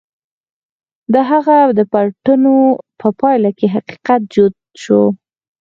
د هغه د پلټنو په پايله کې حقيقت جوت شو.